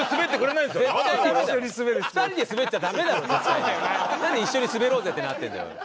なんで一緒にスベろうぜってなってるんだよ。